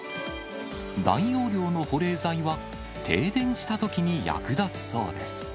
大容量の保冷材は、停電したときに役立つそうです。